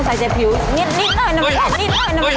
ใส่ใจผิวนิดนิดหน่อยนิดหน่อยนิดหน่อยนิดหน่อยนิดหน่อย